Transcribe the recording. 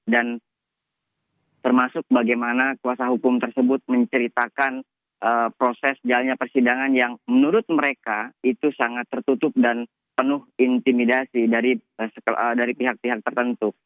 dan termasuk bagaimana kuasa hukum tersebut menceritakan proses jalannya persidangan yang menurut mereka itu sangat tertutup dan penuh intimidasi dari pihak pihak tertentu